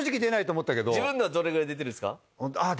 自分のはどれぐらい出てるんですか？